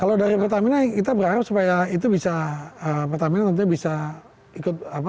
kalau dari pertamina kita berharap supaya itu bisa pertamina tentunya bisa ikut apa